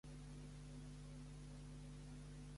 ¿Tienes hambre? Pues come mierda que ya eres grande